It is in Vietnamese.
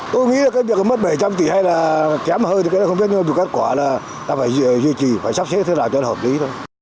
tôi nghĩ là cái việc mất bảy trăm linh tỷ hay là kém hơi thì cái đó không biết nhưng mà kết quả là ta phải duy trì phải sắp xếp thế nào cho nó hợp lý thôi